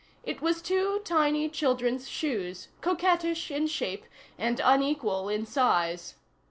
It was two tiny children's shoes, coquettish in shape and unequal in size.